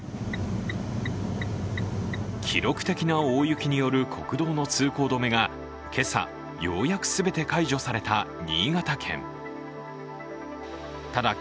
記録的な大雪による国道の通行止めが今朝、ようやく全て解除された新潟県。